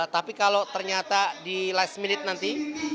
tapi kalau ternyata di last minute nanti